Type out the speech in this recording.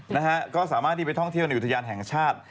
นะฮะก็สามารถที่ไปท่องเที่ยวในอุทยานแห่งชาติ